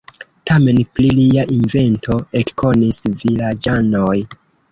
Tamen pri lia invento ekkonis vilaĝanoj.